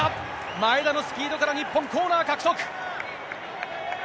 前田のスピードから、日本、コーナー獲得。